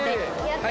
やった。